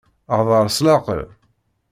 Hḍeṛ s leɛqel.